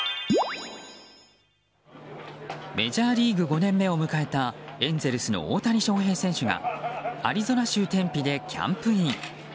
メジャーリーグ５年目を迎えたエンゼルスの大谷翔平選手がアリゾナ州テンピでキャンプイン。